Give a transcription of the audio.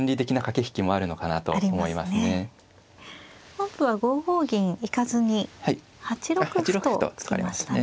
本譜は５五銀行かずに８六歩と突きましたね。